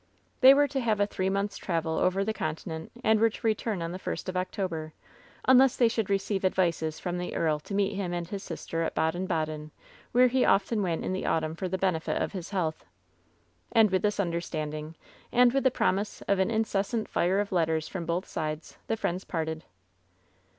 They were to have a three months travel over the con tinent, and were to return on the first of October, unless they should receive advices from the earl to meet him and his sister at Baden Baden, where he often went in the autumn for the benefit of his health. And with this understanding, and with the promise of an incessant fire of letters from both sides, the friends parted.